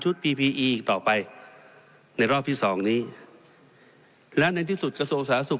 ชุดต่อไปในรอบที่สองนี้และในที่สุดกระโสสาศุกร์